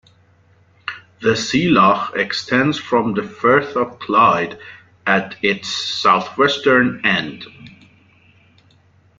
The Sea Loch extends from the Firth of Clyde at its southwestern end.